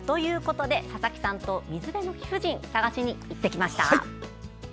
佐々木さんと水辺の貴婦人を探しに行ってきました。